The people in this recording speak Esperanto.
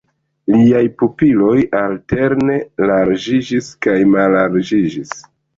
Liaj pupiloj alterne larĝiĝis kaj mallarĝiĝis.